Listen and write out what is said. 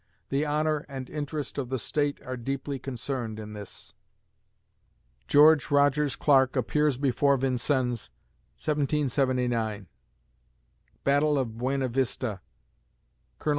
The honor and interest of the State are deeply concerned in this." George Rogers Clark appears before Vincennes, 1779 _Battle of Buena Vista; Col.